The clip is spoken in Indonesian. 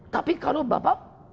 tapi kalau bapak